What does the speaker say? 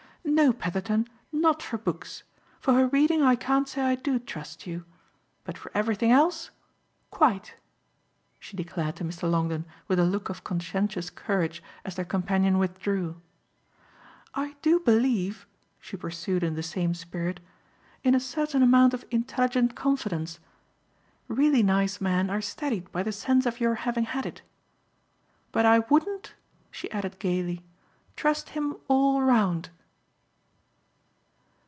"No, Petherton not for books; for her reading I can't say I do trust you. But for everything else quite!" she declared to Mr. Longdon with a look of conscientious courage as their companion withdrew. "I do believe," she pursued in the same spirit, "in a certain amount of intelligent confidence. Really nice men are steadied by the sense of your having had it. But I wouldn't," she added gaily, "trust him all round!"